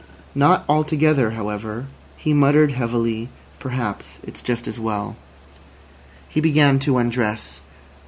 Not altogether, however. He muttered heavily: "Perhaps it's just as well." He began to undress.